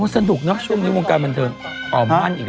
สนุกไหมช่วงวงการบันเทิร์น